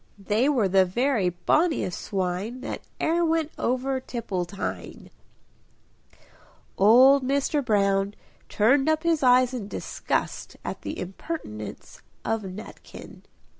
They were the very bonniest swine That e'er went over Tipple tine." Old Mr. Brown turned up his eyes in disgust at the impertinence of Nutkin.